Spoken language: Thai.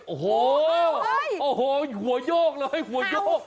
โอ้โหโฮเอาเหรอหัวยออกเลยหัวยออก